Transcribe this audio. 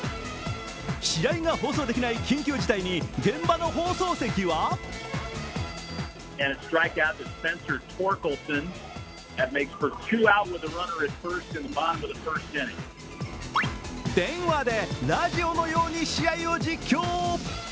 試合が放送できない緊急事態に現場の放送席は電話でラジオのように試合を実況。